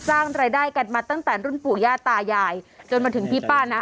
สร้างรายได้กันมาตั้งแต่รุ่นปู่ย่าตายายจนมาถึงพี่ป้านะ